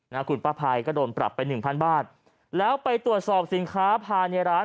นะคุณป้าภัยก็โดนปรับไปหนึ่งพันบาทแล้วไปตรวจสอบสินค้าภายในร้าน